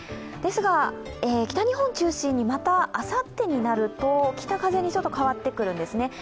ですが、北日本中心に、またあさってになると北風に変わってくるんですね。